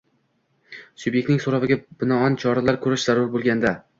subyektning so‘roviga binoan choralar ko‘rish zarur bo‘lganda;